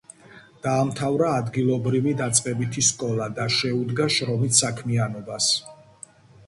დაამთავრა ადგილობრივი დაწყებითი სკოლა და შეუდგა შრომით საქმიანობას.